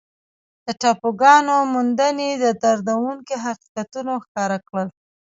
د ټاپوګانو موندنې دردونکي حقیقتونه ښکاره کړل.